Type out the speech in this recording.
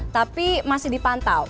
tapi masih dipantau